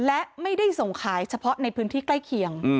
และไม่ได้ส่งขายเฉพาะในพื้นที่ใกล้เคียง